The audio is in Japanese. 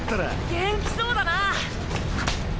元気そうだな。